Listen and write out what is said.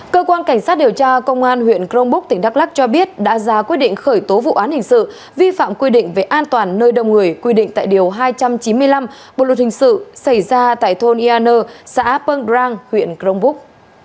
cơ quan cảnh sát điều tra công an huyện cronbrook tỉnh đắk lắc cho biết đã ra quy định khởi tố vụ án hình sự vi phạm quy định về an toàn nơi đông người quy định tại điều hai trăm chín mươi năm bộ luật hình sự xảy ra tại thôn ia nơ xã pung drang huyện cronbrook